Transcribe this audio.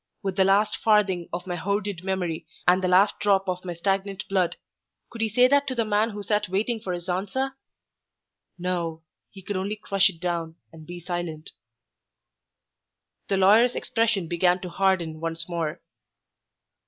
with the last farthing of my hoarded money and the last drop of my stagnant blood. Could he say that to the man who sat waiting for his answer? No; he could only crush it down and be silent. The lawyer's expression began to harden once more.